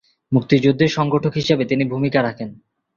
মুক্তিযুদ্ধের সংগঠক হিসেবে তিনি ভূমিকা রাখেন।